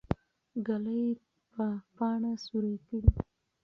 ږلۍ به پاڼه سوری کړي.